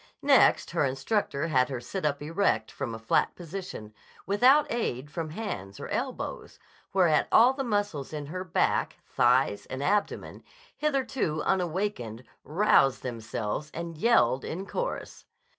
Next her instructor had her sit up erect from a flat position, without aid from hands or elbows, whereat all the muscles in her back, thighs, and abdomen, hitherto unawakened, roused themselves and yelled in chorus.